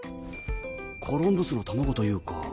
コロンブスの卵というか。